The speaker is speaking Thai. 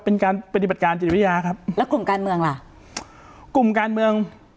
เป็นการปฏิบัติการจิตวิทยาครับแล้วกลุ่มการเมืองล่ะกลุ่มการเมือง